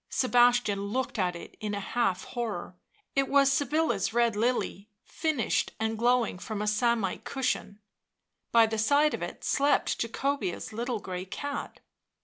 Sebastian looked at it in a half horror : it was Sybilla's red lily, finished and glowing from a samite cushion; by the side of it slept Jacobea's little grey cat.